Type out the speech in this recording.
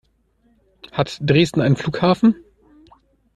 Hat Dresden einen Flughafen?